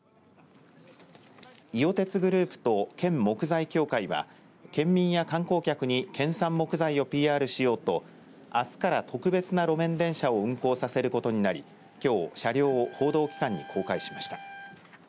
伊予鉄グループと県木材協会は県民や観光客に県産木材をＰＲしようとあすから特別な路面電車を運行させることになりきょう車両を報道機関に公開しました。